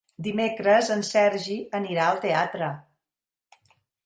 Dimecres en Sergi anirà al teatre.